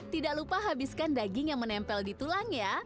tidak lupa habiskan daging yang menempel di tulangnya